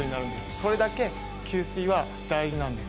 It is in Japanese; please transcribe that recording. それだけ給水は大事なんです。